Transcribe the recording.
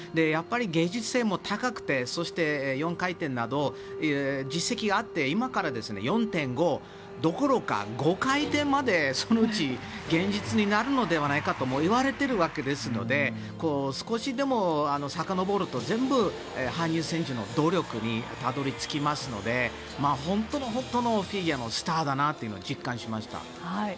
やはり、芸術性も高くてそして、４回転など実績があって今から４．５どころか５回転までそのうち現実になるのではないかともいわれているわけですので少しでもさかのぼると全部、羽生選手の努力にたどり着きますので本当に本当のフィギュアのスターだなと実感しました。